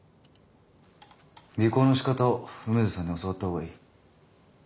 尾行のしかたを梅津さんに教わった方がいい。